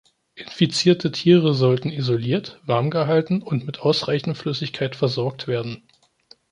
Infizierte Tiere sollten isoliert, warm gehalten und mit ausreichend Flüssigkeit versorgt werden.